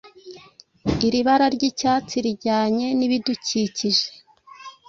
Iri bara ry’icyatsi rijyanye n’ ibidukikije